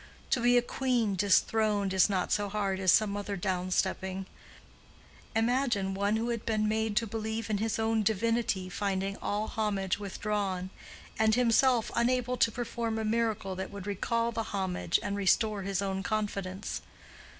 To be a queen disthroned is not so hard as some other down stepping: imagine one who had been made to believe in his own divinity finding all homage withdrawn, and himself unable to perform a miracle that would recall the homage and restore his own confidence.